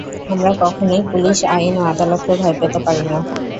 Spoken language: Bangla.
আমরা কখনই পুলিশ, আইন ও আদালতকে ভয় পেতে পারি না।